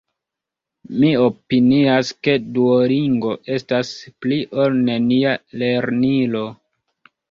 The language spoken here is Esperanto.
Mi opinias ke Duolingo estas “pli-ol-nenia” lernilo.